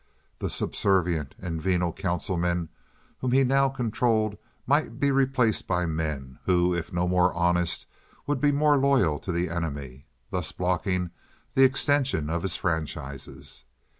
The subservient and venal councilmen whom he now controlled might be replaced by men who, if no more honest, would be more loyal to the enemy, thus blocking the extension of his franchises.